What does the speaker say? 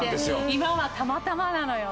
今はたまたまなのよ